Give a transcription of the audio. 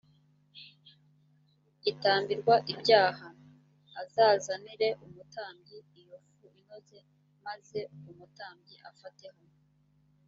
gitambirwa ibyaha. azazanire umutambyi iyo fu inoze, maze umutambyi afateho